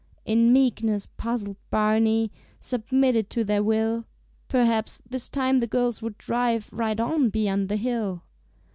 In meekness puzzled Barney Submitted to their will. Perhaps this time the girls would drive Right on beyond the hill.